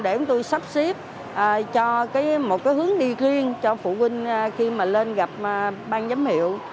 để chúng tôi sắp xếp cho một cái hướng đi riêng cho phụ huynh khi mà lên gặp ban giám hiệu